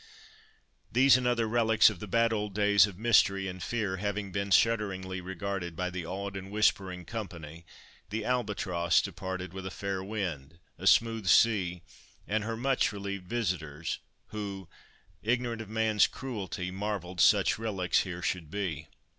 These and other relics of the bad old days of mystery and fear, having been shudderingly regarded by the awed and whispering company, the Albatross departed with a fair wind, a smooth sea, and her much relieved visitors, who, "Ignorant of 'man's' cruelty, Marvelled such relics here should be."